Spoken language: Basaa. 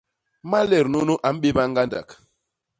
Malét nunu a mbéba ñgandak.